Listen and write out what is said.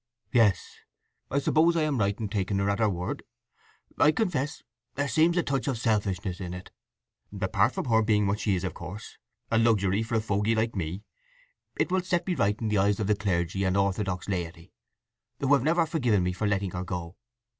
"Yes! … I suppose I am right in taking her at her word. I confess there seems a touch of selfishness in it. Apart from her being what she is, of course, a luxury for a fogey like me, it will set me right in the eyes of the clergy and orthodox laity, who have never forgiven me for letting her go.